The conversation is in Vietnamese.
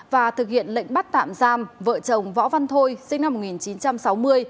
và thực hiện lệnh bắt tạm giam vợ chồng võ văn thôi sinh năm một nghìn chín trăm sáu mươi